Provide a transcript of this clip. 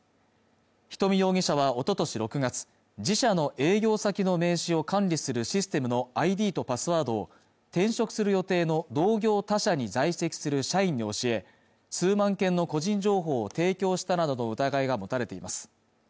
人見容疑者はおととし６月自社の営業先の名刺を管理するシステムのＩＤとパスワードを転職する予定の同業他社に在籍する社員に教え数万件の個人情報を提供したなどの疑いが持たれています